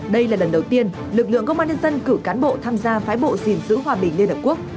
đây là lần đầu tiên lực lượng công an nhân dân cử cán bộ tham gia phái bộ dình giữ hòa bình liên hợp quốc